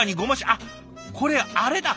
あっこれあれだ。